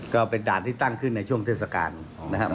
ก็เป็นด่านที่ตั้งขึ้นในช่วงเทศกาลนะครับ